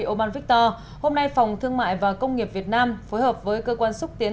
oban viktor hôm nay phòng thương mại và công nghiệp việt nam phối hợp với cơ quan xúc tiến